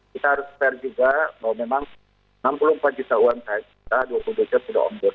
kita harus percaya juga bahwa memang enam puluh empat juta uang